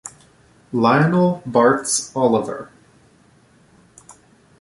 Lionel Bart's Oliver!